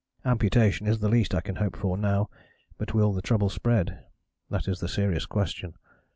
Amputation is the least I can hope for now, but will the trouble spread? That is the serious question.